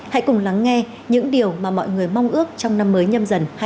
hãy cùng lắng nghe những điều mà mọi người mong ước trong năm mới nhâm dần hai nghìn hai mươi